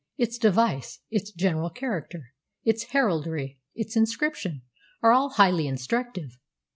Its device, its general character, its heraldry, its inscription, are all highly instructive.